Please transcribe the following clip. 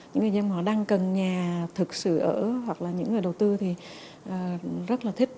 những người dân họ đang cần nhà thực sự ở hoặc là những người đầu tư thì rất là thích